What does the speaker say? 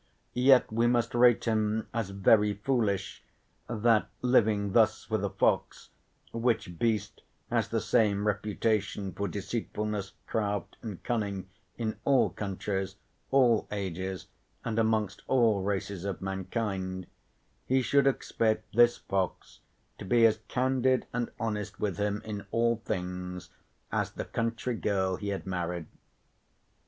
Yet we must rate him as very foolish, that living thus with a fox, which beast has the same reputation for deceitfulness, craft and cunning, in all countries, all ages, and amongst all races of mankind, he should expect this fox to be as candid and honest with him in all things as the country girl he had married.